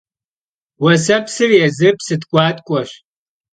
Vuesepsır yêzır psı tk'uatk'ueş.